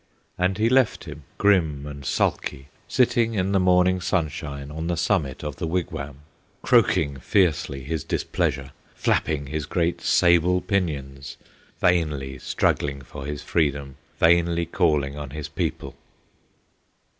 And he left him, grim and sulky, Sitting in the morning sunshine On the summit of the wigwam, Croaking fiercely his displeasure, Flapping his great sable pinions, Vainly struggling for his freedom, Vainly calling on his people!